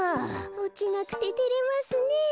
おちなくててれますねえ。